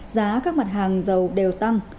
giá các mặt hàng dầu đều tăng